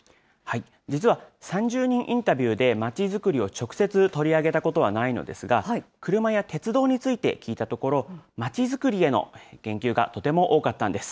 実は３０人インタビューでまちづくりを直接取り上げたことはないのですが、車や鉄道について聞いたところ、まちづくりへの言及がとても多かったんです。